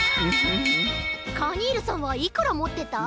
カニールさんはいくらもってた？